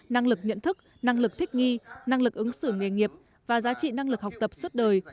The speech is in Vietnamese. năng lực nhận thức năng lực thích nghi năng lực ứng xử nghề nghiệp và giá trị năng lực học tập suốt đời